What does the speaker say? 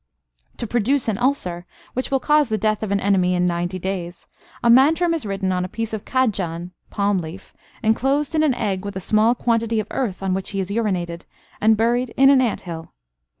To produce an ulcer, which will cause the death of an enemy in ninety days, a mantram is written on a piece of cadjan (palm leaf), enclosed in an egg with a small quantity of earth on which he has urinated, and buried in an ant hill.